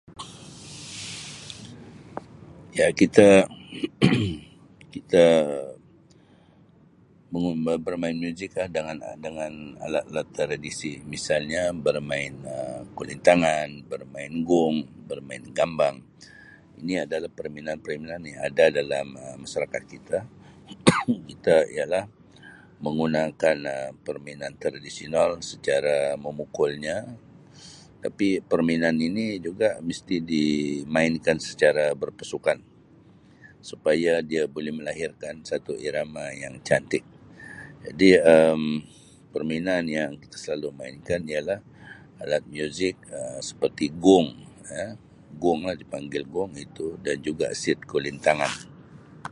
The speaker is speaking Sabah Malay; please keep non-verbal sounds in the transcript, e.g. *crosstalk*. *noise* Ya kita *coughs* kita mengu-bermain muzik dengan-dengan alat-alat tradisi misalnya bermain Um kulintangan, bermain gong, bermain tambang. Ni adalah permainan-permainan yang ada dalam Um masyarakat kita. *coughs* Kita ialah menggunakan Um permainan tradisional secara memukulnya tapi permainan ini juga misti dimainkan secara berpasukan supaya dia boleh melahirkan satu irama yang cantik. *noise* Jadi Um permainan yang kita selalu mainkan ialah alat muzik Um seperti gong Um gong lah, dipanggil gong itu dan juga set kulintangan. *noise*